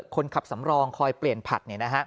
คนขับสำรองคอยเปลี่ยนผัด